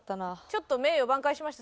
ちょっと名誉挽回しました。